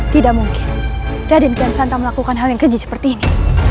tidak mungkin raden dan santa melakukan hal yang keji seperti ini